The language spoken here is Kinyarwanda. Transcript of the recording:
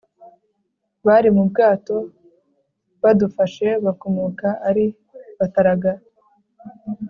bari mu bwato budafashe, bakomoka ari bataraga.